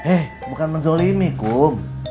eh bukan menjolimi kum